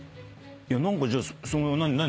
何かじゃあ何？